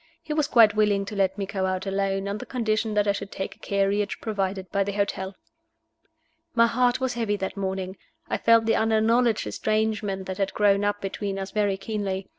He was quite willing to let me go out alone, on the condition that I should take a carriage provided by the hotel. My heart was heavy that morning: I felt the unacknowledged estrangement that had grown up between us very keenly.